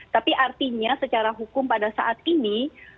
tapi artinya secara hukum pada saat ini